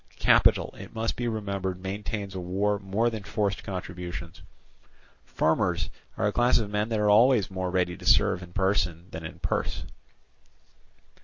Capital, it must be remembered, maintains a war more than forced contributions. Farmers are a class of men that are always more ready to serve in person than in purse.